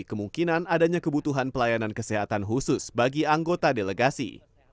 kemungkinan adanya kebutuhan pelayanan kesehatan khusus bagi anggota delegasi